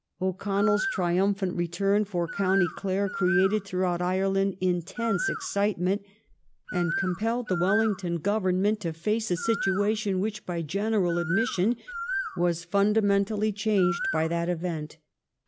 O'Connell's triumphant return for County Clare created throughout Ireland intense excitement, and compelled the Welling ton Government to face a situation which by general admission was fundamentally changed by that event.